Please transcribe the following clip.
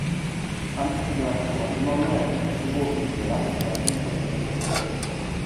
Antes y durante su matrimonio, Ernesto tuvo innumerables relaciones con diferentes mujeres.